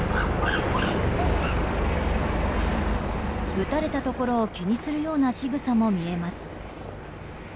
撃たれたところを気にするようなしぐさも見えます。